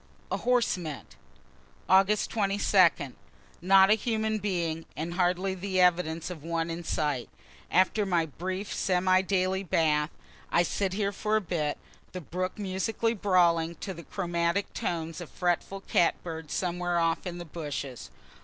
HORSE MINT Aug. 22. Not a human being, and hardly the evidence of one, in sight. After my brief semi daily bath, I sit here for a bit, the brook musically brawling, to the chromatic tones of a fretful cat bird somewhere off in the bushes.